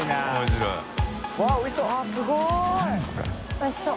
おいしそう。